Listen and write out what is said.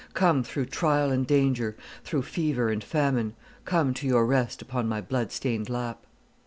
come, through trial and danger, through fever and famine, come to your rest upon my bloodstained lap!"